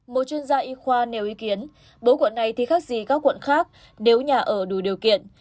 một chuyên gia y khoa nêu ý kiến bố quận này thì khác gì các quận khác nếu nhà ở đủ điều kiện